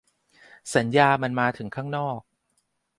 สัญญาณมันมาถึงข้างนอก